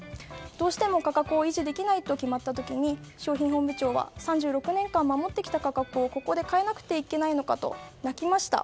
どうしても価格を維持できないと決まった時に商品本部長は３６年間守ってきた価格をここで変えなくてはいけないのかと泣きました。